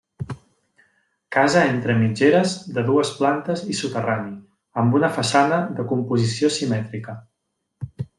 Casa entre mitgeres de dues plantes i soterrani, amb una façana de composició simètrica.